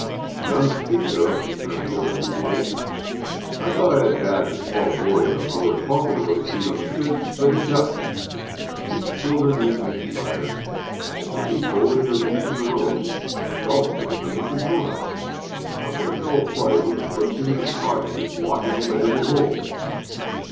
"None to speak of," returned the other, moodily. "I thought I had bagged a small boy in a Lord Fauntleroy suit on the sixth, but he ducked. These children make me tired. They should be bowling their hoops in the road. Golf is a game for grownups. How can a fellow play, with a platoon of progeny blocking him at every hole?"